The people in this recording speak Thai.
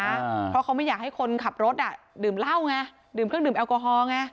เพราะเขาไม่อยากให้คนขับรถอ่ะดื่มเหล้าไงดื่มเครื่องดื่มแอลกอฮอลไง